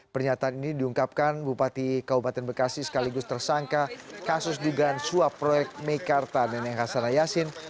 pernyataan ini diungkapkan bupati kabupaten bekasi sekaligus tersangka kasus dugaan suap proyek mekarta nenek hasan yasin